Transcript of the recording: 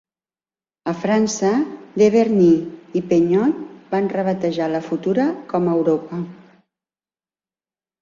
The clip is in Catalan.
A França, Deberny y Peignot van rebatejar la Futura com "Europa".